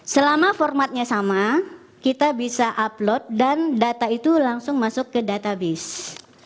selama formatnya sama kita bisa upload dan data itu langsung masuk ke database